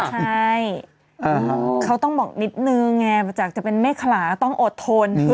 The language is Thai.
ใช่เขาต้องบอกนิดนึงไงจากจะเป็นเมฆขลาต้องอดทน